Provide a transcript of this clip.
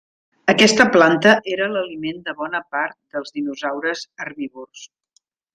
Aquesta planta era l'aliment de bona part dels dinosaures herbívors.